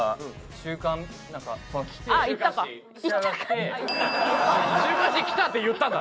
「週刊誌来た」って言ったんだ。